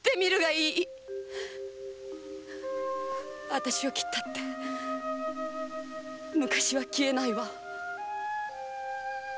私を切ったって昔は消えないわ。